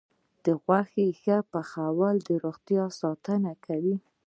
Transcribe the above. د غوښې ښه پخول د روغتیا ساتنه کوي.